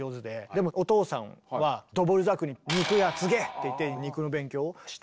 でもお父さんはドボルザークに「肉屋継げ！」って言って肉の勉強をして。